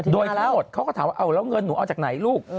โดยทั้งหมดเขาก็ถามว่าเอาแล้วเงินหนูเอาจากไหนลูก